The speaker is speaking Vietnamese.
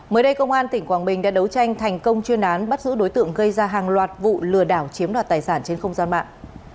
mới đây công an tỉnh quảng bình đã đấu tranh thành công chuyên án bắt giữ đối tượng gây ra hàng loạt vụ lừa đảo chiếm đoạt tài sản trên không gian mạng